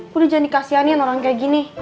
lo jangan dikasihani sama orang kayak gini